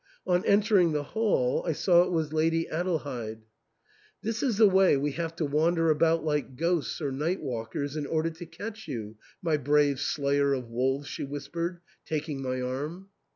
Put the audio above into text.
On entering the hall I saw it was Lady Adelheid. " This is the way we have to wander about like ghosts or night walkers in order to catch you, my brave slayer of wolves," she whispered, taking my arm.